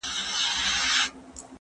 زه به مکتب ته تللي وي!!